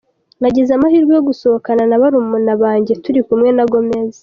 Nagize amahirwe yo gusohokana na barumuna banjye turi kumwe na Gomez.